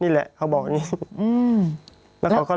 พี่เรื่องมันยังไงอะไรยังไง